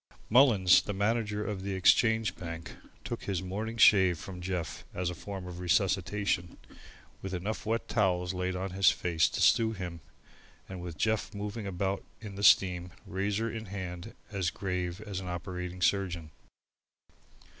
Mullins, the manager of the Exchange Bank, took his morning shave from Jeff as a form of resuscitation, with enough wet towels laid on his face to stew him and with Jeff moving about in the steam, razor in hand, as grave as an operating surgeon.